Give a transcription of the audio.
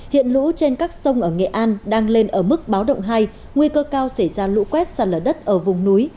hiện lũ trên các sông ở nghệ an đang lên ở mức báo động hai nguy cơ cao xảy ra lũ quét sạt lở đất ở vùng núi